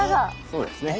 そうですね。